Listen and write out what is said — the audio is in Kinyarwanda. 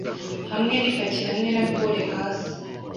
Hamwe n'ipaki hamwe napole hasi